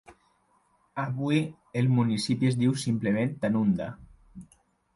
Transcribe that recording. Avui, el municipi es diu simplement Tanunda.